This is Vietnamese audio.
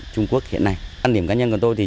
trung quốc hiện nay